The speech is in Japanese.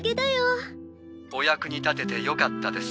お役に立ててよかったです。